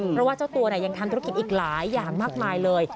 เพราะว่าเจ้าตัวยังทำธุรกิจอีกหลายอย่างมากมายเลย